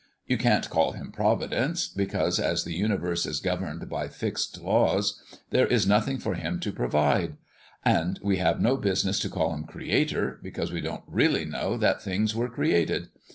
You can't call Him Providence, because, as the universe is governed by fixed laws, there is nothing for him to provide; and we have no business to call Him Creator, because we don't really know that things were created.